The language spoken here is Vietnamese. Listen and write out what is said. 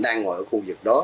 đang ngồi ở khu vực đó